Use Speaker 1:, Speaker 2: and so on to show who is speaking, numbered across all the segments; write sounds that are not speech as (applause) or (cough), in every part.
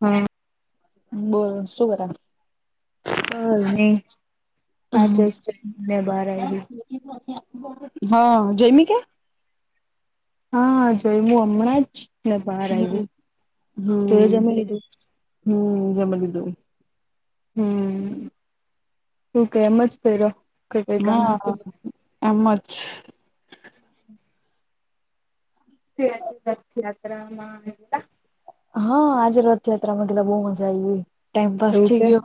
Speaker 1: હા
Speaker 2: બોલ શું કર
Speaker 1: કઈ ની આજે જ મેં બારે આયવી
Speaker 2: હા જયમી કે
Speaker 1: હા જ્ય્મુ હમણાં જ ને બહાર
Speaker 2: હમ
Speaker 1: આયવી તું એ જમી લીધું
Speaker 2: હમ્મ જમી લીધું
Speaker 1: હમ્મ શું કે એમ જ ક્યરો
Speaker 2: હા હા એમ જ
Speaker 1: (unintelligible)
Speaker 2: હા આજે રથયાત્રામાં ગેલા બઉ મજા આયવી ટાઈમપાસ થઈ
Speaker 1: કે
Speaker 2: ગયો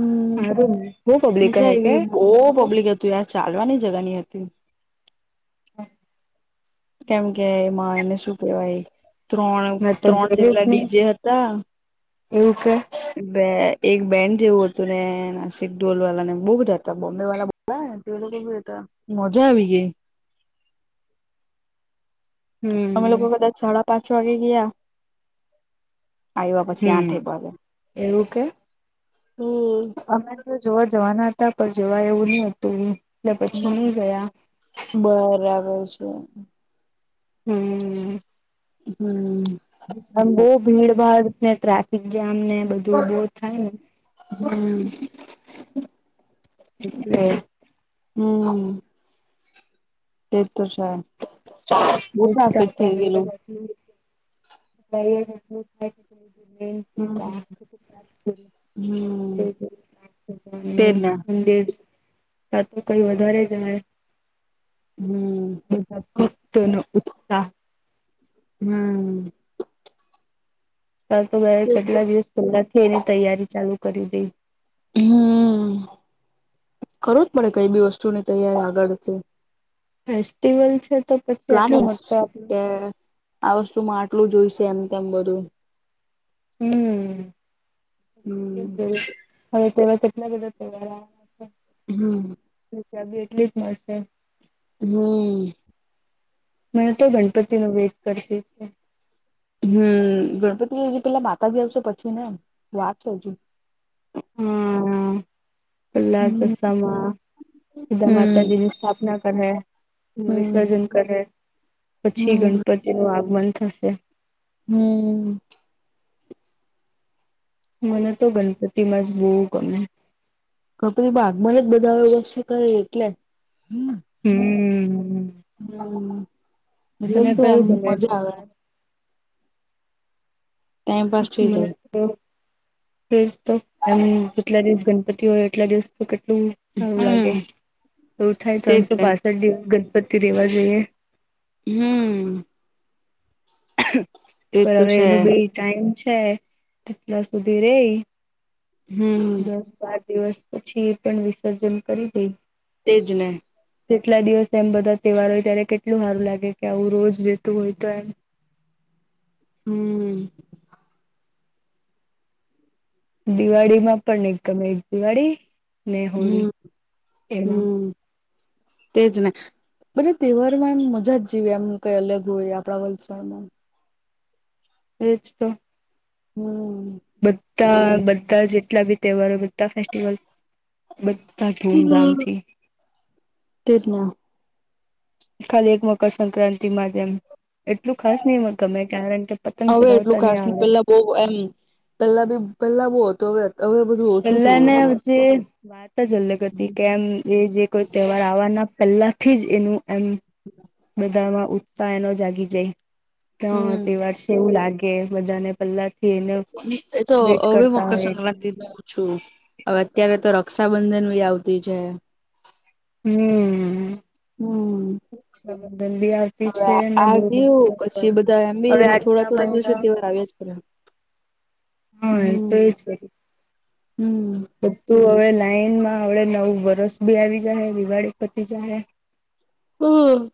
Speaker 2: હમ્મ
Speaker 1: સારું ને બહુ પબ્લિક
Speaker 2: મજા
Speaker 1: કહે કે
Speaker 2: આયવી બો પબ્લિક હતી હતું ચાલવાની જગા ની હતી
Speaker 1: (inaudible)
Speaker 2: કેમ કે એમાં એને શું કેવાય? ત્રણ
Speaker 1: મેં તો
Speaker 2: ત્રણ
Speaker 1: જોયુ જ
Speaker 2: જેટલા
Speaker 1: નહી
Speaker 2: ડીજે હતા
Speaker 1: એવું કે
Speaker 2: બે એક બેન્ડ જેવું હતું ને નાસિક ઢોલવાલા ને બો બધા હતા બોમ્બેવાલા (unintelligible) એ લોકો બી હતા. મજા આવી ગેય અમે
Speaker 1: હમ
Speaker 2: લોકો કદાચ સાડા પાંચ વાગે ગીયા. આયવા પછી
Speaker 1: હમ
Speaker 2: આઠેક વાગે
Speaker 1: એવું કે
Speaker 2: હમ્મ
Speaker 1: અમે જોવા જવાના હતા પણ જવાય એવું ની હતું એટલે પછી ની ગયા
Speaker 2: બરાબર છે.
Speaker 1: હમ્મ
Speaker 2: હમ્મ
Speaker 1: પન બો ભીડ ભાડ ને ટ્રાફિક જામ ને બધું બો થાય ને
Speaker 2: હમ્મ
Speaker 1: એટલે
Speaker 2: હમ્મ તે તો છે બહુ ટ્રાફિક થઈ ગયેલું.
Speaker 1: (unintelligible)
Speaker 2: હમ
Speaker 1: (unintelligible)
Speaker 2: હમ તેને
Speaker 1: (unintelligible) તાં તો કંઈ વધારે જ અહે
Speaker 2: હમ્મ
Speaker 1: (unintelligible)
Speaker 2: હમ્મ
Speaker 1: વરસાદ આવે કેટલા દિવસ પેલ્લાથી એની તૈયારી ચાલુ કરી દેઈ
Speaker 2: હમ્મ કરવું જ પડે કંઈ બી વસ્તુની તૈયારી આગળથી
Speaker 1: ફેસ્ટિવલ છે તો પછી આટલો
Speaker 2: પ્લાનિંગ્સ
Speaker 1: મોટો આપડો
Speaker 2: કે આ વસ્તુમાં આટલું જોઈશે આમ તેમ બધું
Speaker 1: હમ્મ
Speaker 2: હમ
Speaker 1: (unintelligible) હવે તો એવા કેટલા બધા તહેવારો આવાના છે
Speaker 2: હમ્મ
Speaker 1: ત્યાં બી એટલી જ મળશે.
Speaker 2: હમ્મ..
Speaker 1: મેં તો ગણપતિનો વેટ કરતી છે.
Speaker 2: હમ્મ ગણપતિ હજી પેલા માતાજી આવશે પછી ને? વાર છે હજુ
Speaker 1: પેલ્લા
Speaker 2: હમ
Speaker 1: દશામાં. સીધા
Speaker 2: હમ.
Speaker 1: માતાજીની સ્થાપના કરહે્
Speaker 2: હમ
Speaker 1: વિસર્જન કરહે પછી
Speaker 2: હમ
Speaker 1: ગણપતિનું આગમન થશે.
Speaker 2: હમ્મ..
Speaker 1: મને તો ગનપતીમાં જ બહુ ગમે
Speaker 2: કપરી ભાગમાંને જ બધા વશે કરે. એટલે હમ
Speaker 1: હમ્મ...
Speaker 2: હમ્મ
Speaker 1: તને
Speaker 2: (unintelligible) એમ
Speaker 1: કયું ગમે
Speaker 2: મજા આવે.
Speaker 1: તહેવાર
Speaker 2: ટાઈમ પાસ
Speaker 1: (unintelligible)
Speaker 2: થઈ
Speaker 1: મને
Speaker 2: જાય
Speaker 1: ફ તો એમ કેટલા દિવસ ગણપતિ હોય, એટલા દિવસ તો કેટલું. સારું
Speaker 2: હમ
Speaker 1: લાગે એવું થાય,
Speaker 2: તેજ
Speaker 1: ત્રણસો
Speaker 2: ને
Speaker 1: પાસઠ દિવસ ગજપતિ રેવા જોઈએ.
Speaker 2: હમમ... તે તો
Speaker 1: બરાબર
Speaker 2: છે
Speaker 1: એનું બી ટાઈમ છે. એટલા સુધી રેય
Speaker 2: હમ
Speaker 1: દસ બાર દિવસ પછી એ પણ વિસર્જન કરી દેય.
Speaker 2: તેજ ને
Speaker 1: જેટલા દિવસ એમ બધા તહેવાર ઓય, ત્યારે કેટલું હારું લાગે કે આવું રોજ રેતું હોય. તો એમ
Speaker 2: હમમ...
Speaker 1: દિવાળીમાં પણ એક ગમે, એક દિવાળી. ને હોળી
Speaker 2: હમ..
Speaker 1: એમાં
Speaker 2: હમ.. તેજ ને મતલબ તહેવારમાં એમ મજા જ જેવી એમ કઈ અલગ હોય આપડા વલસાડમાં.
Speaker 1: એજ ત.
Speaker 2: હમ...
Speaker 1: બધ્ધા બધા જેટલા બી તહેવારો બધા ફેસ્ટિવલ બધ્ધા ધૂમધામ થી.
Speaker 2: તે જ ને
Speaker 1: ખાલી એક મકરસંક્રાંતિમાં જેમ એટલું ખાસ નય મ તમે કારણ કે તપંગ ચગાવતા નય આવે.
Speaker 2: બોવ એમ પેલા બી પહેલા બોવ હતો અવે અત્યા અવે બધું. ઓછું થઈ
Speaker 1: પેલાને
Speaker 2: ગયું
Speaker 1: જે વાત જ અલગ અતી.
Speaker 2: હમ
Speaker 1: કે એમ એ જે કોઈ. તહેવાર આવવાના પેલાથી જ એનું એમ બધામાં ઉત્તાયનો જાગી જાય તો. તહેવાર છે એવું લાગે બધાને પેલા
Speaker 2: એ તો અવે
Speaker 1: હોય એટલે
Speaker 2: મકરસંક્રાંતિનો છું અવે અત્યારે તો રક્ષાબંધન બી આવતી છે.
Speaker 1: હમ
Speaker 2: હમ...
Speaker 1: રક્ષાબંધન બી આવતી
Speaker 2: હવે
Speaker 1: છે. ને
Speaker 2: આ
Speaker 1: બવ
Speaker 2: ગયું પછી
Speaker 1: (unintelligible) હવે આટલા મહિના
Speaker 2: કરાવ્યા જ કર
Speaker 1: હા એ તો કરે
Speaker 2: હમ...
Speaker 1: બધું અવે લાઈનમાં હડે નવું વરસ બી આવી જાહે દિવાળી પતી જાહે.
Speaker 2: હમ...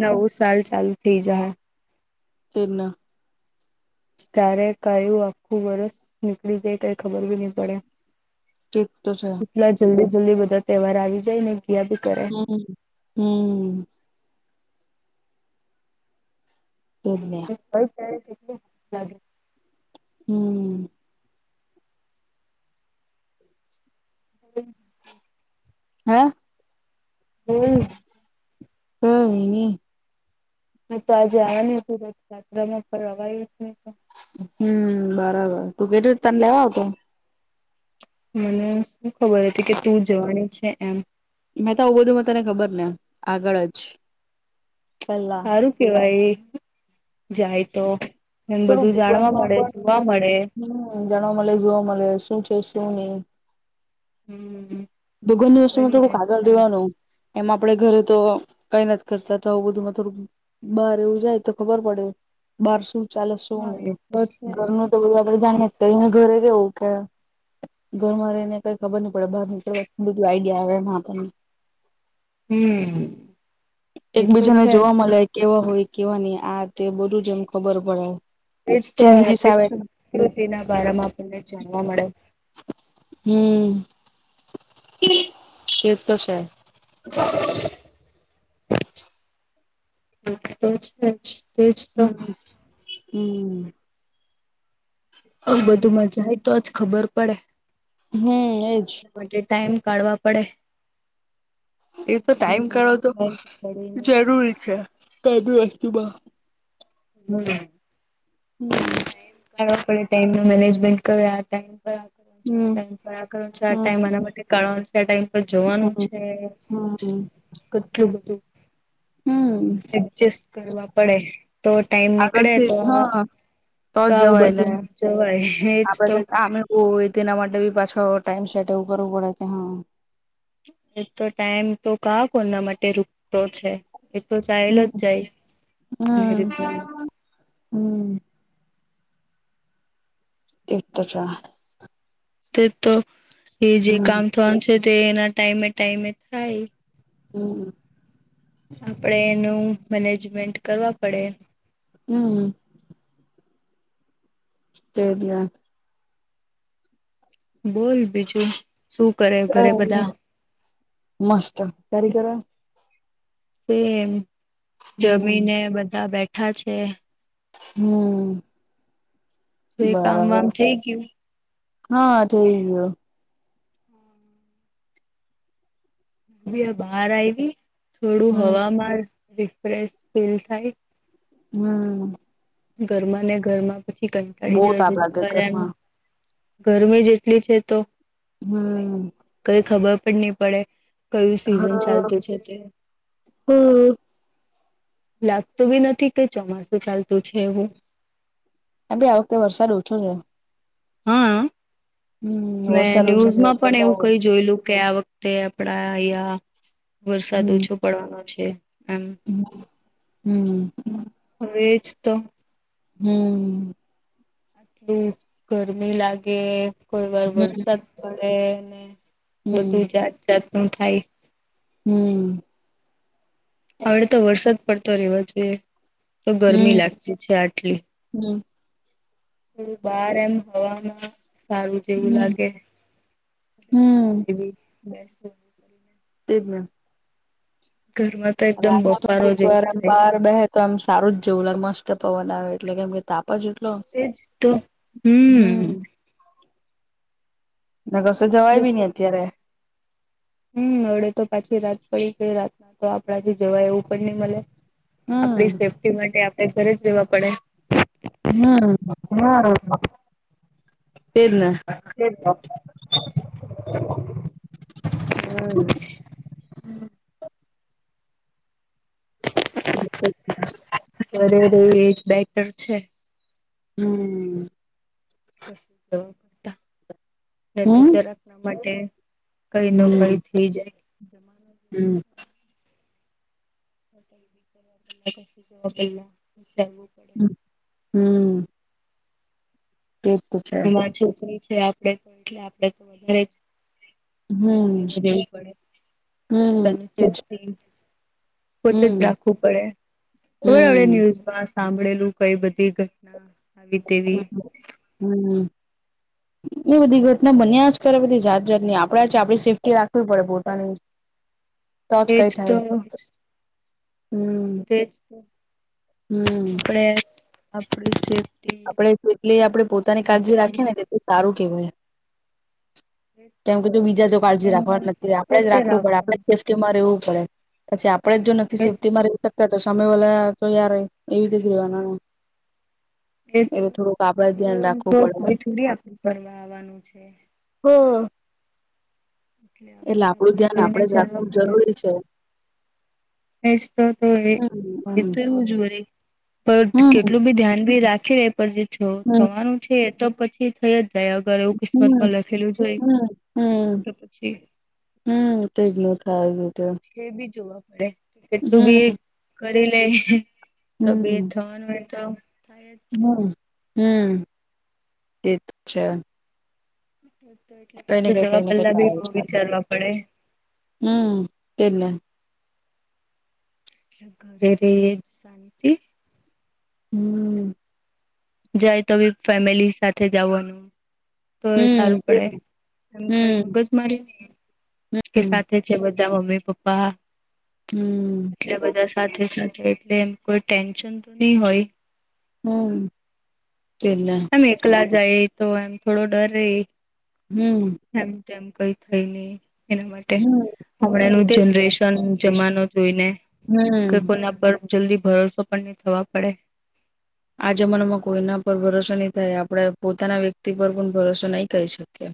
Speaker 1: નવ સાલ ચાલુ થઈ જાહે.
Speaker 2: તેમન
Speaker 1: કાર્યા એક કાર્યુ આખું વરસ નીકળી જાય કઈ ખબર બી ની પડે.
Speaker 2: ઠીક તો સે
Speaker 1: એટલા જલ્દી જલ્દી બધા તહેવાર આવી જાય ને ગયા બી કરે
Speaker 2: હમ્મ હમ્.... તેજને
Speaker 1: (unintelligible)
Speaker 2: ઉમમ....
Speaker 1: (unintelligible)
Speaker 2: હ
Speaker 1: હમ.
Speaker 2: કઈ ની
Speaker 1: હ તો આજે આવાની હતી રથયાત્રામાં પણ અવાય જ નઈ તો.
Speaker 2: હમમ બરાબર તું કેતે ત તને લેવા આવતે.
Speaker 1: મને શું ખબર હતી. કે તું જવાની છે એમ.
Speaker 2: હું બધું તને ખબર ને આગળ જ પેલા
Speaker 1: હારૂ કેવાય જાય તો. એમ
Speaker 2: થોડું
Speaker 1: બધું જાણવા મળે જોવા મળે.
Speaker 2: જણો મલે જોઓ મળે શું છે શું નહી.
Speaker 1: હમ
Speaker 2: દુગરની વસ્તુમાં તો
Speaker 1: કરી નેક્સ્ટ
Speaker 2: ખાગર
Speaker 1: ટાઈમ
Speaker 2: દેવાનું. એમાં આપડે ઘરે તો કઈ નથી કરતા તો આવું બધુંમાં થોડુંક. બહાર રહીએવું જાય તો ખબર પડે બાર શું. ચાલો શું
Speaker 1: હા એ
Speaker 2: નહી
Speaker 1: તો છે
Speaker 2: ઘરનું તો બ આગળ જાણીએ કરી ઘરે ગવું કે. ઘરમાં રહીને કઈ ખબર ન પડે બહાર નીકળવા બધું આઈડિયા આવે એમાં આપણને.
Speaker 1: હમ એ તો
Speaker 2: એકબીજાને
Speaker 1: છે
Speaker 2: જોવા
Speaker 1: જ
Speaker 2: મળે. કેવા હોય કેવા નહી આ તે બધું જ એમ ખબર પડે.
Speaker 1: આપ
Speaker 2: ચેન્જીસ આવે
Speaker 1: સંસ્કૃતિ ના બમાં આપણને જાણવા મળે.
Speaker 2: હમ્મ.. એ એ જ છે.
Speaker 1: અ... હ તો જ જ.
Speaker 2: હમ્મ..
Speaker 1: અ બધુંમાં જાય તો જ ખબર પડે.
Speaker 2: હમ એજ.....
Speaker 1: એ ટાઈમ કાઢવા પડે.
Speaker 2: એ તો ટાઈમ કરાો તો
Speaker 1: મેનેજમેન્ટ કરીને
Speaker 2: જરૂરી છે કે બધી વસ્તુમાં.
Speaker 1: હમ....
Speaker 2: હમ....
Speaker 1: કાઢવા પડે ટાઈમ ન મેનેજમેન્ટ કર આ ટાઈમ. ચાર
Speaker 2: હમ
Speaker 1: ટાઈમ ફ કર ચાર ટાઈમ
Speaker 2: હમ
Speaker 1: આના માટે કાઢવા. ત ટાઈમ પર જવાનું
Speaker 2: હમ
Speaker 1: છે.
Speaker 2: હમ
Speaker 1: કેટલું બધું
Speaker 2: હમ....
Speaker 1: એડજસ્ટ કરવા પડે તો ટાઈમ નીકળે
Speaker 2: આગળથી
Speaker 1: તો.
Speaker 2: હા
Speaker 1: તો
Speaker 2: જ
Speaker 1: આવું
Speaker 2: જવાય લે
Speaker 1: બધું જવાય એજ તો.
Speaker 2: ઓ એ તેના માટે બી પાછો ટાઈમ સેટ એવું કરવું પડે કે હા.
Speaker 1: એ તો ટાઈમ તો કા કો એના માટે રૂરકતો છે. એ તો ચહેલો
Speaker 2: હમ
Speaker 1: જ જાય.
Speaker 2: હમ હમ.... એક તો છે.
Speaker 1: તો એ જે
Speaker 2: હમ
Speaker 1: કામ થવાનું છે. તે એના ટાઈમે ટાઈમે થાય.
Speaker 2: હમ...
Speaker 1: આપડે એનું મેનેજમેન્ટ કરવા પડે.
Speaker 2: હમ... સરી.
Speaker 1: બોલ બીજું શું કરે ઘરે બધા.
Speaker 2: મસ્ત તારે ઘરે
Speaker 1: તે.. એમ
Speaker 2: હમ
Speaker 1: જમીને બધા બેઠા છે.
Speaker 2: હમ...
Speaker 1: તો એ કામ વામ
Speaker 2: બરાબર
Speaker 1: થઈ ગયું
Speaker 2: હા થઈ ગયો.
Speaker 1: અબી આ બહાર આવી થોડું
Speaker 2: હમ
Speaker 1: હવામાં એ રીફ્રેશ ફીલ થાય.
Speaker 2: હમ
Speaker 1: ઘરમાં ને ઘરમાં પછી કંટાળી
Speaker 2: બહુ
Speaker 1: જાય
Speaker 2: તાપ
Speaker 1: છે
Speaker 2: લાગે
Speaker 1: ઘરે આવીન.
Speaker 2: ઘરમાં
Speaker 1: ગરમી જ એટલી છે તો
Speaker 2: હમ
Speaker 1: કઈ ખબર પણ નહી પડે. કયું સિઝન
Speaker 2: હા
Speaker 1: ચાલતું છે તે.
Speaker 2: હમ
Speaker 1: લાગતું બી નથી કે ચોમાસું ચાલતું છે એવું.
Speaker 2: આબે આ વખતે વરસાદ ઓછો છે.
Speaker 1: હા
Speaker 2: હમ
Speaker 1: મેં
Speaker 2: વરસાદ ઓછો
Speaker 1: ન્યૂઝમાં
Speaker 2: થશે
Speaker 1: પણ
Speaker 2: તો
Speaker 1: એવું કંઈ જોયેલું કે આ વખતે. તે આપડા આય વરસાદ ઓછો પડવાનો છે એમ.
Speaker 2: હ હમ.
Speaker 1: હવે એજ તો
Speaker 2: હમ.
Speaker 1: હું ગરમી લાગે કોઈ વાર વરસાદ પડે ને.
Speaker 2: હમ
Speaker 1: બધું જાત જાત નું થાય.
Speaker 2: હમ.
Speaker 1: હવે તો વરસાદ પડતો રહેવો જોઈએ તો ગરમી લાગતી છે આટલી.
Speaker 2: હમ.
Speaker 1: હું બાર એમ હવામાં. સારું જેવું
Speaker 2: હમ
Speaker 1: લાગે બાર
Speaker 2: હમ
Speaker 1: આવી બે.
Speaker 2: તે જ ને.
Speaker 1: ઘરમાં. તો એકદમ
Speaker 2: રાત માં
Speaker 1: બફારો
Speaker 2: થોડિક
Speaker 1: જેવું
Speaker 2: વાર
Speaker 1: થાય
Speaker 2: બહાર બેહે તો એમ સારું જ જેવું લાગે મસ્ત પવન આવે એટલે કેમ કે તાપ. પજટલો.
Speaker 1: એજ તો હમ.
Speaker 2: ના કસે જવાય બી નઈ અત્યારે
Speaker 1: હમ હવડે તો પાછી રાત પડી ગઈ રાતના તો આપણાથી જવા એવું પણ નહી મળે. આપણી
Speaker 2: હમ
Speaker 1: સેફ્ટી માટે આપણે ઘરે જ રહેેવા પડે.
Speaker 2: હમ
Speaker 1: હા અ.
Speaker 2: તે જને.
Speaker 1: તે જતો હમ.
Speaker 2: અચચ્છા (inaudible)
Speaker 1: ઘેર રેવું એજ બેટર છે.
Speaker 2: હમ.
Speaker 1: (inaudible)
Speaker 2: હમ
Speaker 1: જરાક નમાટે કઈ ન કઈ
Speaker 2: હમ
Speaker 1: થઈ જાય જ.
Speaker 2: હમ
Speaker 1: હોટલ બીથ કરવા પા જવા પેલા વિચારવુ પડે
Speaker 2: હ હમ. એ તો છે.
Speaker 1: એમાં છોકરી છે આપડે તો એટલે આપડે તો વધારે જ.
Speaker 2: હમ
Speaker 1: સંભાલી ને રેવુ પડે
Speaker 2: હમ
Speaker 1: પોતાની
Speaker 2: એજ
Speaker 1: સેફ્ટી. પોતે જ
Speaker 2: હમ
Speaker 1: રાખવું પડે ખબર (unintelligible)
Speaker 2: હમ
Speaker 1: ન્યૂઝમાં સાંભળેલું કઈ બધી. ઘટના આવી
Speaker 2: હમ
Speaker 1: તેવી
Speaker 2: હમ. એ બધી ઘટના બન્યા જ કરે બધી જાત જાત ની આપણે જ આપણી સેફ્ટી રાખવી પડે પોતાની. (inaudible)
Speaker 1: એજ તો
Speaker 2: થાય હમ
Speaker 1: તેજ આપડે
Speaker 2: હમ
Speaker 1: આપડી (unintelligible)
Speaker 2: આપડે જેટલી આપડે પોતાની
Speaker 1: આપણી
Speaker 2: કાળજી
Speaker 1: જવાની
Speaker 2: રાખીએને તેટલું સારું કેવાય. કેમ કે તું બીજા
Speaker 1: આપણે
Speaker 2: જોડ કાળજી રાખવા
Speaker 1: પોતાનું
Speaker 2: નથી આપડે જ
Speaker 1: પોતે
Speaker 2: રાખવું પડે આપડે
Speaker 1: રાખવાનું
Speaker 2: સેફ્ટીમાં રેવું પડે પછી આપડે જો નથી
Speaker 1: એ
Speaker 2: સેફ્ટીમાં રેતા તો હામે વાલા તો યાર એવી રીતે રેવાના એમ
Speaker 1: (unintelligible)
Speaker 2: આપડે જ ધ્યાન રાખવું પડે
Speaker 1: થોડી આપડું કરવા આવવાનું છે.
Speaker 2: હા. એટલે
Speaker 1: આપણે
Speaker 2: આપડું
Speaker 1: આપણું
Speaker 2: ધ્યાન
Speaker 1: જોઈને
Speaker 2: આપડે જ
Speaker 1: ચાલવા
Speaker 2: રાખવું જ
Speaker 1: પડે
Speaker 2: જરૂરી છે.
Speaker 1: એ જ તોતો એ એતો
Speaker 2: હમ
Speaker 1: એવું જ વરી. પર
Speaker 2: હમ
Speaker 1: કેટલું બી ધ્યાન બી રાખી રે પણ જે
Speaker 2: હમ,
Speaker 1: થવાનું છે એ તો પછી થઈ જ જાય હાવ. કરે એવું
Speaker 2: હમ,
Speaker 1: કિસ્મતમાં લખેલું જ હોય
Speaker 2: હમ,
Speaker 1: તો પછી
Speaker 2: હમ્મ તેજ નથ આવ્યું તેમ.
Speaker 1: એ બી જોવા પડે કે કેટલું બી કરી લે તબિયત થવાનું હોય તો થાય જ
Speaker 2: હમ્મ, હમ્મ એત છે. કઈ ને
Speaker 1: તો
Speaker 2: કઈ કઈ
Speaker 1: જવા
Speaker 2: ને કઈ
Speaker 1: પહેલા
Speaker 2: તો
Speaker 1: બી વિચારવા પડે.
Speaker 2: હમ્મ, તેજ ને
Speaker 1: ઘરે રે તી
Speaker 2: હમ્મ.
Speaker 1: જાય તો વિથ ફેમિલી સાથે જાવાનું તો
Speaker 2: હમ,
Speaker 1: સારું
Speaker 2: તેજ
Speaker 1: પડે
Speaker 2: ને.
Speaker 1: એમ કઈ
Speaker 2: હમ,
Speaker 1: મગજમારી (unintelligible)
Speaker 2: હમ,
Speaker 1: થે છે બધા મમ્મી પપ્પા
Speaker 2: હમ,
Speaker 1: એટલે બધા સાથે સાથે એટલે કોઈ ટેન્શન તો નહી હોય.
Speaker 2: હમ્મ. તેજ ને
Speaker 1: એમ એકલા જાય તો એમ થોડો ડર રહે.
Speaker 2: હમ્મ.
Speaker 1: એમ તેમ કઈ થાય નહી એના માટે
Speaker 2: હમ,
Speaker 1: હમણાંનું
Speaker 2: તેજ
Speaker 1: જનરેશન જમાનો જોઈને
Speaker 2: ને.
Speaker 1: કે
Speaker 2: હમ.
Speaker 1: કોના પર જલ્દી ભરોસો પણ નહી થવા પડે.
Speaker 2: આ જમાનામાં કોઈના પર ભરોસો નહી થાય આપડે પોતાના વ્યક્તિ પર પણ ભરોસો નહી કરી શકીએ.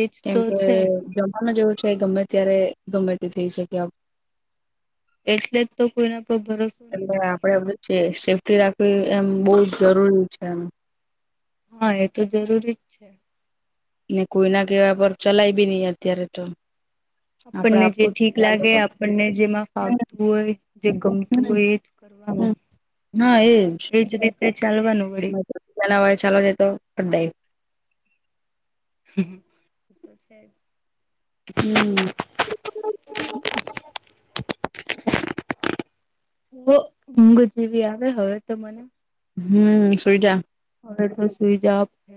Speaker 1: એજ
Speaker 2: કેમ
Speaker 1: તો
Speaker 2: કે
Speaker 1: છે
Speaker 2: જમાનો જ એવો છે ગમે ત્યારે ગમે તે થઈ શકે.
Speaker 1: એટલે જ તો કોઈના પર ભરોસો નહી
Speaker 2: એટલે
Speaker 1: થાય.
Speaker 2: આપડે બધું છે સેફ્ટી રાખવી એમ બોવ જરૂરી છે એમ
Speaker 1: હા, એ તો જરૂરી જ છે.
Speaker 2: ને કોઈના કેવા પર ચલાય બી નઈ અત્યારે તો આપડે
Speaker 1: આપણને જે
Speaker 2: આપવું
Speaker 1: ઠીક લાગે
Speaker 2: જ
Speaker 1: આપણને જેમાં ફાવતું હોય જે ગમતું હોય એજ (unintelligible)
Speaker 2: હા એજ.
Speaker 1: એ ચાલવાનું હોય
Speaker 2: (unintelligible) બનાવા ચાલવા જાય તો (unintelligible)
Speaker 1: (inaudible)
Speaker 2: હમ્મ.
Speaker 1: (inaudible) બો ઊઘજ એવી આવે હવે તો મને
Speaker 2: હમ્મ, સૂઈજા
Speaker 1: હવે તો સૂઈ જાવા પડશે.